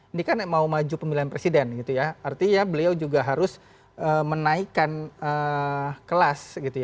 ini kan mau maju pemilihan presiden artinya beliau juga harus menaikkan kelas